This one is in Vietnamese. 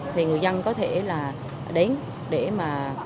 thì người dân có thể là đến để mà